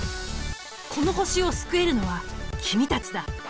この星を救えるのは君たちだ。